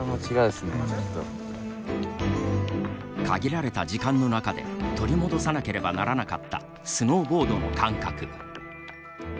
限られた時間の中で取り戻さなければならなかったスノーボードの感覚。